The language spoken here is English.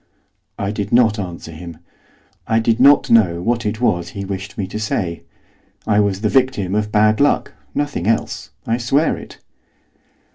I did not answer him, I did not know what it was he wished me to say. I was the victim of bad luck, nothing else, I swear it.